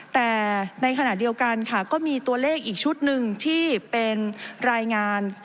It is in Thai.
แต่ในขณะเดียวกันค่ะก็มีตัวเลขอีกชุดหนึ่งที่เป็นรายงาน